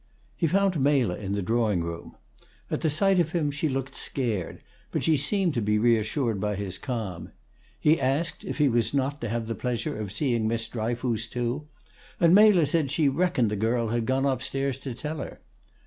He found Mela in the drawing room. At sight of him she looked scared; but she seemed to be reassured by his calm. He asked if he was not to have the pleasure of seeing Miss Dryfoos, too; and Mela said she reckoned the girl had gone up stairs to tell her.